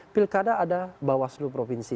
pilkada ada bawah seluruh provinsi